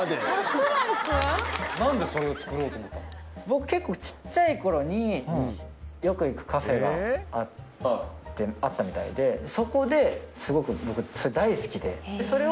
僕結構ちっちゃい頃によく行くカフェがあったみたいでそこですごく僕それ。